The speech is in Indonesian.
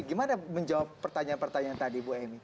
gimana menjawab pertanyaan pertanyaan tadi bu emy